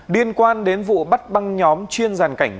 liên quan đến vụ bắt băng nhóm chuyên giàn cảnh